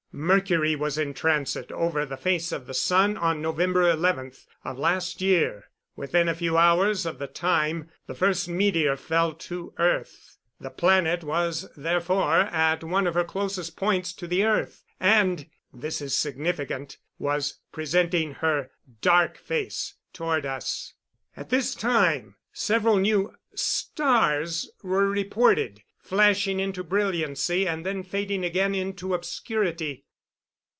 Mercury was in transit over the face of the sun on November 11, of last year, within a few hours of the time the first meteor fell to earth. The planet was therefore at one of her closest points to the earth, and this is significant was presenting her dark face toward us. At this time several new "stars" were reported, flashing into brilliancy and then fading again into obscurity.